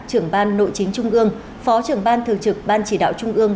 trưởng ban nội chính trung ương phó trưởng ban thường trực ban chỉ đạo trung ương